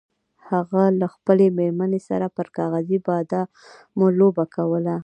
هغه له خپلې میرمنې سره پر کاغذي بادامو لوبه کوله.